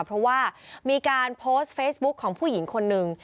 เพราะว่ามีการโพสต์เฟซบุ๊คของผู้หญิงคนหนึ่ง